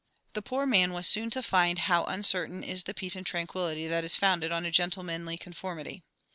The poor man was soon to find how uncertain is the peace and tranquillity that is founded on "a gentlemanly conformity."